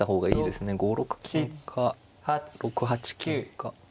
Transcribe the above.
５六金か６八金か。